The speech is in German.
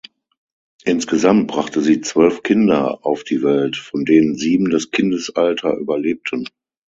Insgesamt brachte sie zwölf Kinder auf die Welt, von denen sieben das Kindesalter überlebten.